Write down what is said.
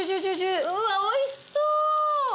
うわっおいしそう！